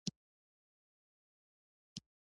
ځغاسته د ژوند ښکلی عمل دی